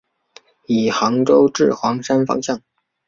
以杭州至黄山方向。